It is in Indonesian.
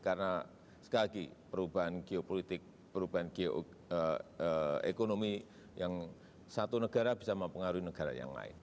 karena sekali lagi perubahan geopolitik perubahan ekonomi yang satu negara bisa mempengaruhi negara yang lain